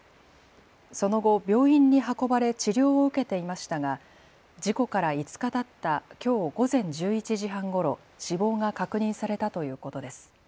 その後、病院に運ばれ治療を受けていましたが事故から５日たったきょう午前１１時半ごろ死亡が確認されたということです。